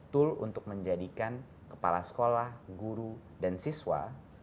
tool untuk menjadikan kepala sekolah guru dan siswa